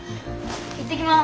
行ってきます！